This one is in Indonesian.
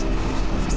aku gak boleh takut